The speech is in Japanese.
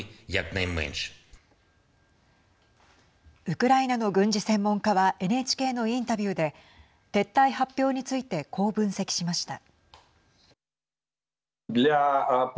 ウクライナの軍事専門家はＮＨＫのインタビューで撤退発表についてこう分析しました。